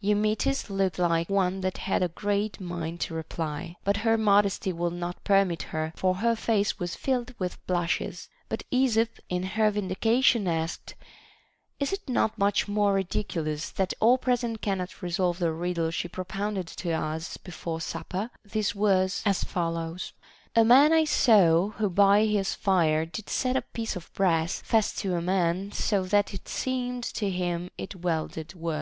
Eumetis looked like one that had a great mind to reply ; but her modesty would not permit her, for her face was filled with blushes. But Esop in her vindication asked : Is it not much more ridiculous that 20 THE BANQUET OF THE SEVEN WISE MEN. all present cannot resolve the riddle she propounded to us before supper \ This was as follows :— A man I saw, who by his fire Did set a piece of brass Fast to a man, so that it seemed To him it welded was.